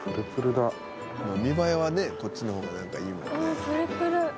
見栄えはねこっちの方がなんかいいもんね。